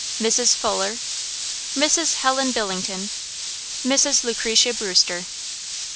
Mrs. Fuller. Mrs. Helen Billington. Mrs. Lucretia Brewster.